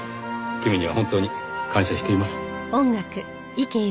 君には本当に感謝しています。